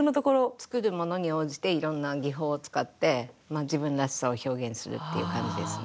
作るものに応じていろんな技法を使ってまあ自分らしさを表現するっていう感じですね。